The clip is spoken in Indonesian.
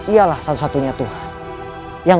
ialah satu satunya tuhan